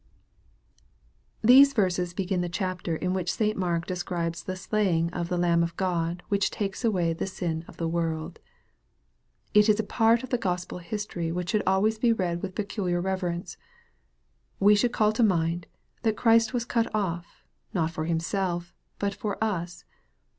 THESE verses begin the chapter in which St. Mark de scribes the slaying of " the Lamb of God, which taketh away the sin of the world." It is a part of the Gospel history which should always be read with peculiar reve rence. We should call to mind, that Christ was cut off, not for Himself, but for us.